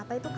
apa itu kak